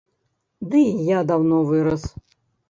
Ды і я даўно вырас.